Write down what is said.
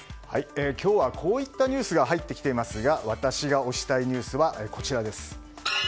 今日はこういったニュースが入ってきていますが私が推したいニュースはこちらです。